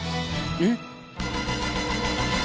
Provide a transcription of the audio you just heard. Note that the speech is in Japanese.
えっ！